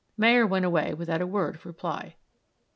Mayer went away without a word of reply.